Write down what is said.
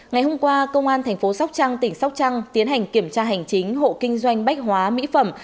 ngày hôm qua công an thành phố sóc trăng tỉnh sóc trăng tiến hành kiểm tra hành chính hộ kinh doanh bách hóa mỹ phẩm